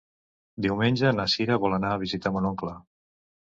Diumenge na Sira vol anar a visitar mon oncle.